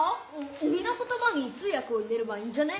おにのことばに通訳を入れればいいんじゃね？